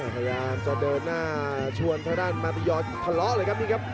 พยายามจะเดินหน้าชวนทางด้านมาพยอร์ทะเลาะเลยครับนี่ครับ